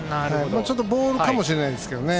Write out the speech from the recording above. ちょっと、ボールかもしれないですけどね。